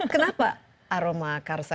kenapa aroma karsa